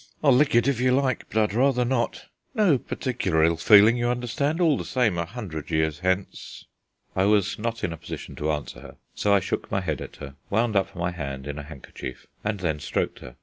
I'll lick it if you like, but I'd rather not. No particular ill feeling, you understand; all the same a hundred years hence." I was not in a position to answer her, so I shook my head at her, wound up my hand in a handkerchief, and then stroked her.